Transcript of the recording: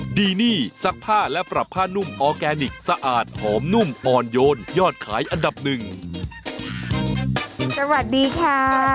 สวัสดีค่ะทหาวใส่ไทยสดใหม่ให้เยอะค่ะ